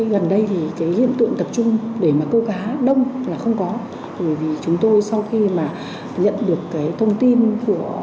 gần đây thì cái hiện tượng tập trung để mà câu cá đông là không có bởi vì chúng tôi sau khi mà nhận được cái thông tin của